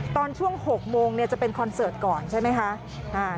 ตอนช่วง๖โมงจะเป็นคอนเสิร์ตก่อนใช่ไหมคะ